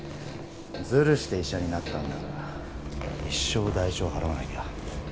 ずるして医者になったんだから一生代償払わなきゃ